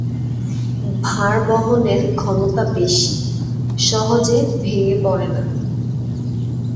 ভার বহনের ক্ষমতা বেশি, সহজে ভেঙ্গে পড়ে না।